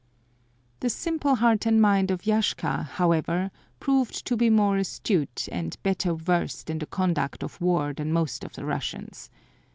The simple heart and mind of Yashka, however, proved to be more astute and better versed in the conduct of war than most of the Russians.